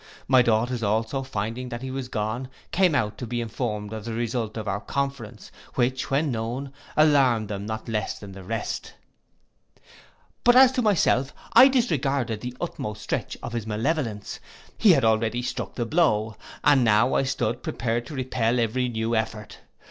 My daughters also, finding that he was gone, came out to be informed of the result of our conference, which, when known, alarmed them not less than the rest. But as to myself, I disregarded the utmost stretch of his malevolence: he had already struck the blow, and now I stood prepared to repel every new effort.